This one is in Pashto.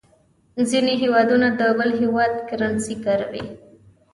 ځینې هېوادونه د بل هېواد کرنسي کاروي.